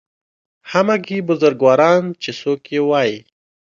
همګي بزرګواران چې څوک یې وایي